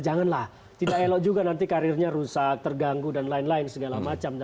janganlah tidak elok juga nanti karirnya rusak terganggu dan lain lain segala macam